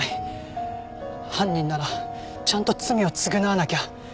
犯人ならちゃんと罪を償わなきゃ。